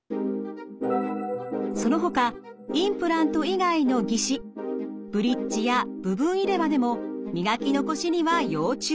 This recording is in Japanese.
そのほかインプラント以外の義歯ブリッジや部分入れ歯でも磨き残しには要注意。